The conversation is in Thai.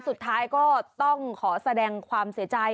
สุดท้ายก็ต้องขอแสดงความเสียใจ